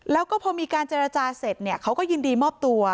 แล้วก็พอมีการเจรจาเสร็จเนี่ยเขาก็ยินดีมอบตัว